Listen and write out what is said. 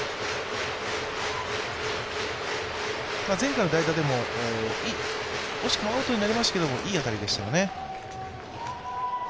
前回の代打でも惜しくもアウトになりましたけどいい当たりでしたよね。